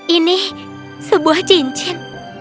ini sebuah cincin